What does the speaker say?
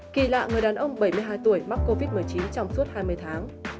kỳ lạ người đàn ông bảy mươi hai tuổi mắc covid một mươi chín trong suốt hai mươi tháng